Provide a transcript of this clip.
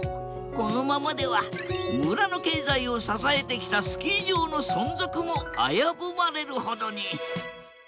このままでは村の経済を支えてきたスキー場の存続も危ぶまれるほどに。